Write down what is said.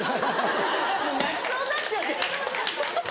泣きそうになっちゃって。